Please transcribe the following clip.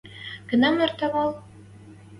Кынам эртӓ вӓл?»